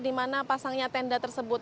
di mana pasangnya tenda tersebut